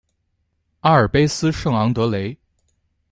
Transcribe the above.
阿尔卑斯圣昂德雷。